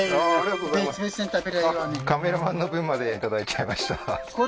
カメラマンの分までいただいちゃいました